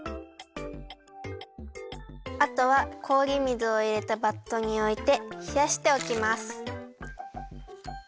あとはこおり水をいれたバットにおいてひやしておきます。